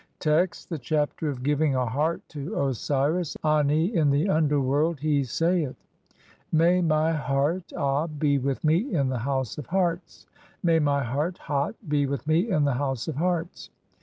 Text: (1) THE CHAPTER OF GIVING A HEART TO OSIRIS ANI (2) IN THE UNDERWORLD. He saith :— "May my heart (db) 1 be with me in the House of Hearts! May "my heart (hat) be with me in the House of Hearts!